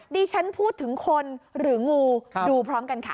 ดิฉันพูดถึงคนหรืองูดูพร้อมกันค่ะ